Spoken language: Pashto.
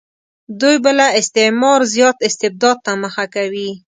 دوی به له استعمار زیات استبداد ته مخه کوي.